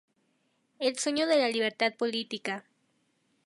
El sueño de la libertad política.